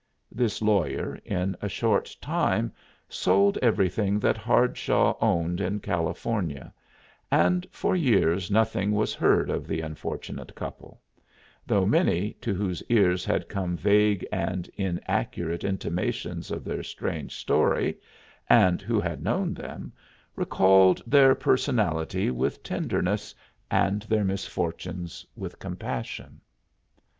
This lawyer in a short time sold everything that Hardshaw owned in California, and for years nothing was heard of the unfortunate couple; though many to whose ears had come vague and inaccurate intimations of their strange story, and who had known them, recalled their personality with tenderness and their misfortunes with compassion.